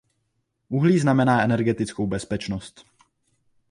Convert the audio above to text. Uhlí znamená energetickou bezpečnost.